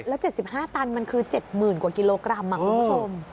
แล้ว๗๕ตันมันคือ๗๐๐กว่ากิโลกรัมคุณผู้ชม